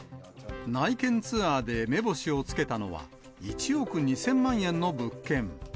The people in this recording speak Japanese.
内見ツアーで目星をつけたのは、１億２０００万円の物件。